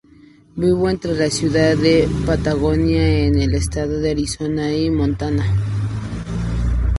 Vivió entre la ciudad de Patagonia, en el estado de Arizona, y Montana.